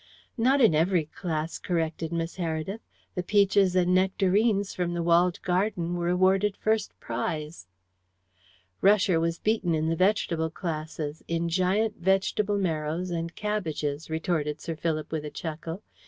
"Not in every class," corrected Miss Heredith. "The peaches and nectarines from the walled garden were awarded first prize." "Rusher was beaten in the vegetable classes in giant vegetable marrows and cabbages," retorted Sir Philip, with a chuckle.